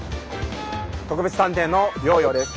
特別探偵の楊です。